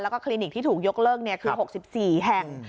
แล้วก็คลินิกที่ถูกยกเลิกคือ๖๔แห่ง